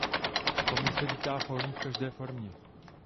Komise vítá fórum v každé formě.